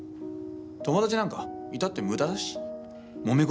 友達なんかいたって無駄だしもめ事とか起こるし。